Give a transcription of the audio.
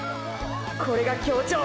これが協調！！